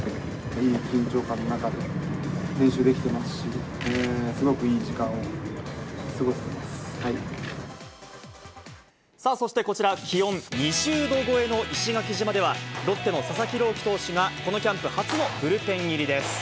いい緊張感の中で練習できてますし、そしてこちら、気温２０度超えの石垣島では、ロッテの佐々木朗希投手がこのキャンプ初のブルペン入りです。